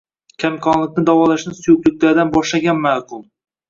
Kamqonlikni davolashni suyuqlikdan boshlagan ma’qul.